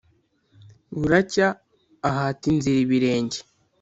buracya ahata inzira ibirenge.